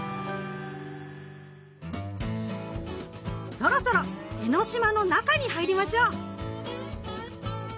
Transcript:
そろそろ江の島の中に入りましょう！